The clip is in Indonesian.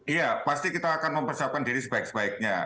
iya pasti kita akan mempersiapkan diri sebaik sebaiknya